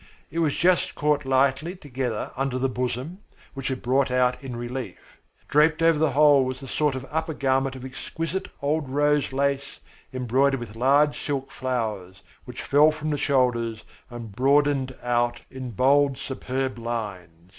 It was just caught lightly together under the bosom, which it brought out in relief. Draped over the whole was a sort of upper garment of exquisite old rose lace embroidered with large silk flowers, which fell from the shoulders and broadened out in bold superb lines.